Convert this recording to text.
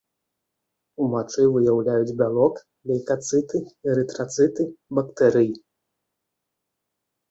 У мачы выяўляюць бялок, лейкацыты, эрытрацыты, бактэрыі.